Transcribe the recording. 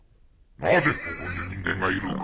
なぜここに人間がいる？